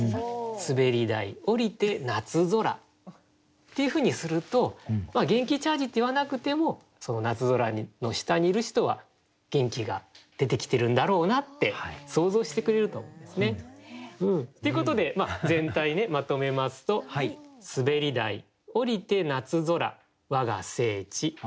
「滑り台降りて夏空」っていうふうにするとまあ、元気チャージって言わなくてもその夏空の下にいる人は元気が出てきてるんだろうなって想像してくれると思うんですね。ということで、全体ねまとめますと「滑り台降りて夏空わが聖地」